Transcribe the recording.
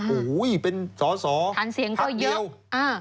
โอ้โหเป็นสอภักดิ์เดียวทานเสียงก็เยอะ